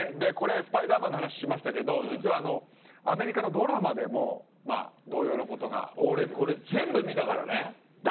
「スパイダーマン」の話をしましたけど実は、アメリカのドラマでも俺、これ全部見たからね。